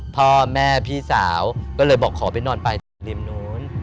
พ่อแม่พี่สาวก็เลยบอกขอไปนอนปลายจากริมนู้น